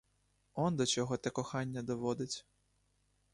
Он до чого те кохання доводить!